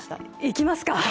行きますか！